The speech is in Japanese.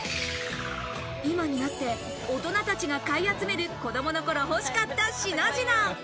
今になって大人たちが買い集める、子供のころ欲しかった品々。